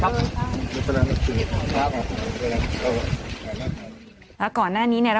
กรมป้องกันแล้วก็บรรเทาสาธารณภัยนะคะ